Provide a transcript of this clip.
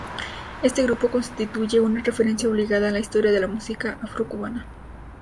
Este grupo constituye una referencia obligada en la historia de la música afrocubana.